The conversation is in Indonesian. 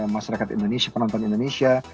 masyarakat indonesia penonton indonesia